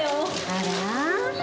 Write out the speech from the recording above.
あら？